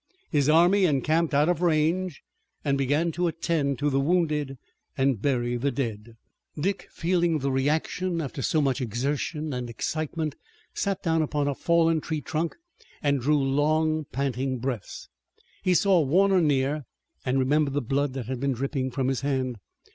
His army encamped out of range and began to attend to the wounded and bury the dead. Dick, feeling the reaction after so much exertion and excitement, sat down on a fallen tree trunk and drew long, panting breaths. He saw Warner near and remembered the blood that had been dripping from his hand.